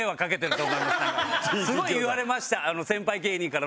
すごい言われました。